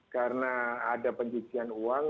karena ada penyidikan uang